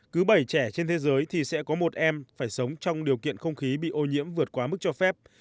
cứ bảy trẻ trên thế giới thì sẽ có một em phải sống trong điều kiện không khí bị ô nhiễm vượt quá mức cho phép